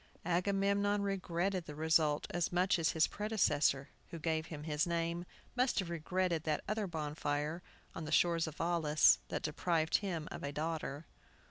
Agamemnon regretted the result as much as his predecessor, who gave him his name, must have regretted that other bonfire, on the shores of Aulis, that deprived him of a daughter.